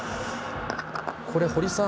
堀さん